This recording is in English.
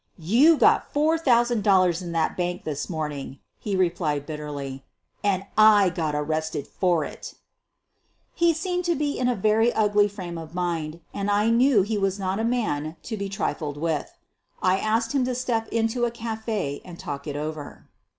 "You got four thousand dollars in the bank this morning/ ' he replied bitterly, "and I got arrested for it" He seemed to be in a very ugly frame of mind and I knew he was not a man to be trifled with. I asked him to step into a cafe and talk it over.